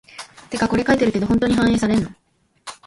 てかこれ書いてるけど、本当に反映されんの？